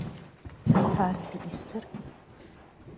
Sıt ar zi'ısır?